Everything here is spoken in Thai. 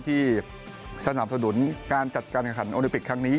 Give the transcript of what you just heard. ที่สนับสนุนการจัดการแข่งขันโอลิปิกครั้งนี้